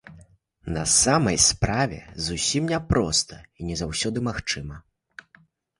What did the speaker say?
На самай справе, зусім няпроста і не заўсёды магчыма.